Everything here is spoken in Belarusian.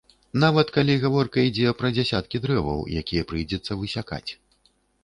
Нават калі гаворка ідзе пра дзясяткі дрэваў, якія прыйдзецца высякаць.